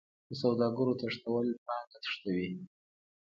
د سوداګرو تښتول پانګه تښتوي.